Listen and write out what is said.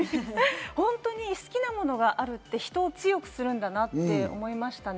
本当に好きなものがあるって人を強くするんだなって思いましたね。